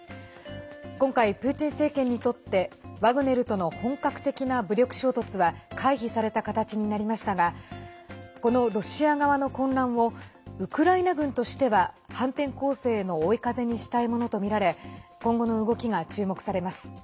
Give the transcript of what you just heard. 今回、プーチン政権にとってワグネルとの本格的な武力衝突は回避された形になりましたがこのロシア側の混乱をウクライナ軍としては反転攻勢への追い風にしたいものとみられ今後の動きが注目されます。